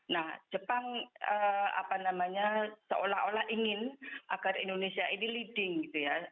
nah jepang apa namanya seolah olah ingin agar indonesia ini leading gitu ya